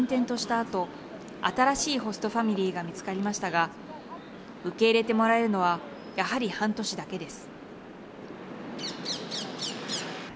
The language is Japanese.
あと新しいホストファミリーが見つかりましたが受け入れてもらえるのはやはり半年だけです。